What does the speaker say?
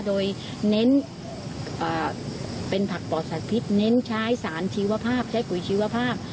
โดยเน้นเป็นผักปลอดสารพิษเน้นใช้สารชีวภาพใช้ปุ๋ยชีวภาพ